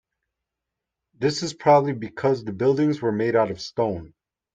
This is probably because the buildings were made out of stone.